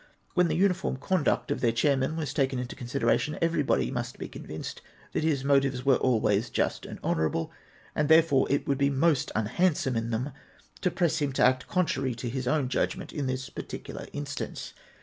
When the uniform conduct of their chairman was taken into con sideration, everybody must be convinced that his motives were always just and honourable, and therefore it would be most xmhandsome in them to press him to act contrary to his own judgment in this particular instance.